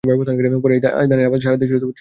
পরে এই ধানের আবাদ সারা দেশেই ছড়িয়ে পড়ে।